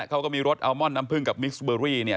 เขาก็มีรถอัลมอนน้ำผึ้งกับมิสเบอรี่เนี่ย